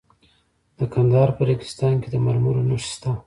د کندهار په ریګستان کې د مرمرو نښې شته.